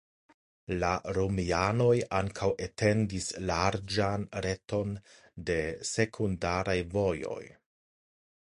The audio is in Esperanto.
La romianoj ankaŭ etendis larĝan reton de sekundaraj vojoj.